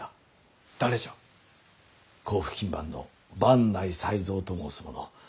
甲府勤番の坂内才蔵と申す者。